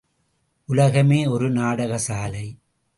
உலகமே ஒரு நாடக சாலை.